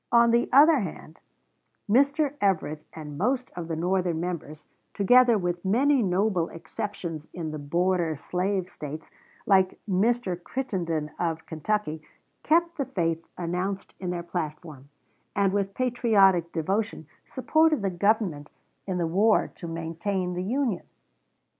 On the other hand, Mr. Everett and most of the Northern members, together with many noble exceptions in the border slave States, like Mr. Crittenden, of Kentucky, kept the faith announced in their platform, and with patriotic devotion supported the Government in the war to maintain the Union.